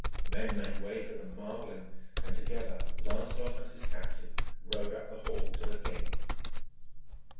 Men made way for them marvelling, and together Lancelot and his captive rode up the hall to the king.